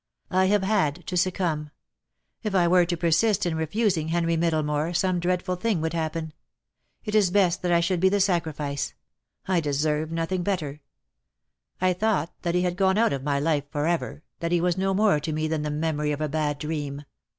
"I have had to succumb. If I were to persist in refusing Henry Middlemore, some dreadful thing would happen. It is best that I should be the sacrifice. I deserve nothing better. DEAD LOVE HAS CHAINS. 27 1 "I thought that he had gone out of my Hfe for ever, that he was no more to me than the memory of a bad dream.